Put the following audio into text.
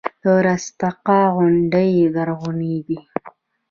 د رستاق غونډۍ زرغونې دي